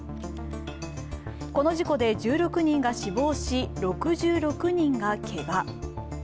この事故で１６人が死亡し、６６人がけが。